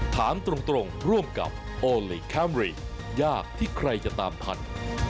ถามตรงร่วมกับโอลี่คัมรี่ยากที่ใครจะตามทัน